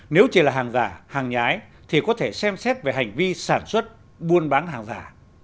nếu chỉ là hàng giả hàng nhái thì có thể xem xét về hành vi sản xuất buôn bán hàng giả